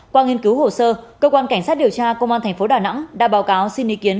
qua nghiên cứu hồ sơ cơ quan cảnh sát điều tra công an thành phố đà nẵng đã báo cáo xin ý kiến